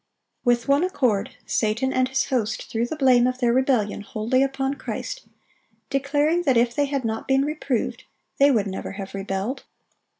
With one accord, Satan and his host threw the blame of their rebellion wholly upon Christ, declaring that if they had not been reproved, they would never have rebelled.